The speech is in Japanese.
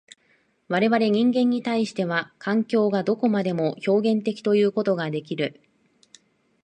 我々人間に対しては、環境がどこまでも表現的ということができる。